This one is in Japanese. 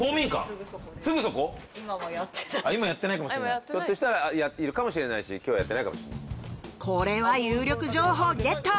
すぐそこですすぐそこ？やってないかもしれないひょっとしたらいるかもしれないしきょうやってないかもしれないこれは有力情報ゲット